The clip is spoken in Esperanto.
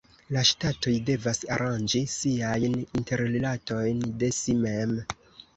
La ŝtatoj devas aranĝi siajn interrilatojn de si mem.